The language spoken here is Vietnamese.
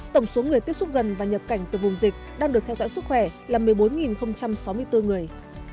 tổng số người tiếp xúc gần và nhập cảnh từ vùng dịch đang được theo dõi sức khỏe là một mươi bốn sáu mươi bốn người